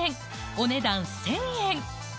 お値段１０００円